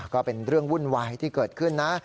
ก็เป็นเรื่องวุ่นวายที่เกิดขึ้นนะ